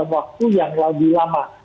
waktu yang lebih lama